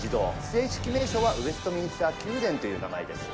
正式名称はウェストミンスター宮殿という名前です。